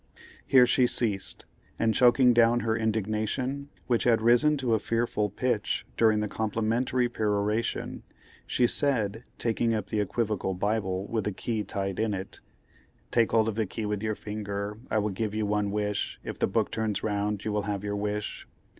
Here she ceased, and choking down her indignation, which had risen to a fearful pitch during the complimentary peroration, she said, taking up the equivocal Bible with the key tied in it, "Take hold of the key with your finger, I will give you one wish, if the book turns round you will have your wish."